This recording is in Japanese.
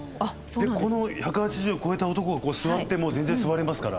この１８０超えた男が座っても全然座れますから。